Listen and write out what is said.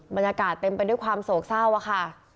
บรรยากาศเต็มไปด้วยความโศกเศร้าค่ะ